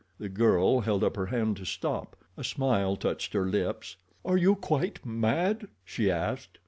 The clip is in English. The girl held up her hand to stop. A smile touched her lips. "Are you quite mad?" she asked.